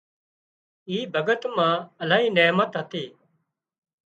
اي ڀڳت مان الاهي نحمت هتي